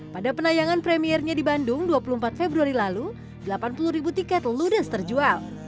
pada penayangan premiernya di bandung dua puluh empat februari lalu delapan puluh ribu tiket ludes terjual